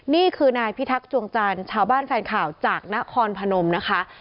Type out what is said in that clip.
นี่คือนายพิทักษวงจันทร์ชาวบ้านแฟนข่าวจากนครพนมนะคะ